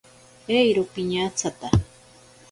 Eiro piñatsata.